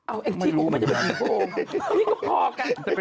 อ้าวไอ้ชี่กูมันก็ไม่รู้